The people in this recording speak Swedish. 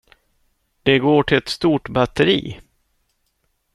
De går till ett stort batteri.